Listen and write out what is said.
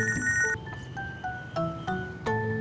ntar aku nungguin